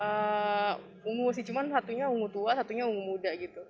ungu sih cuma satunya ungu tua satunya ungu muda gitu